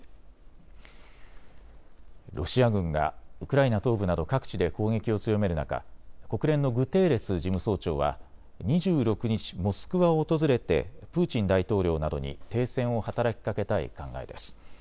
ロシア軍がウクライナ東部など各地で攻撃を強める中、国連のグテーレス事務総長は２６日、モスクワを訪れてプーチン大統領などに停戦を働きかけたい考えです。